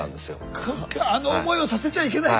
そっかあの思いをさせちゃいけない。